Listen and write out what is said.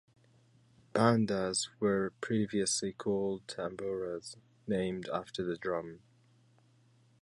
Bandas were previously called "tamboras", named after this drum.